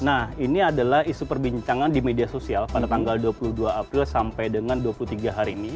nah ini adalah isu perbincangan di media sosial pada tanggal dua puluh dua april sampai dengan dua puluh tiga hari ini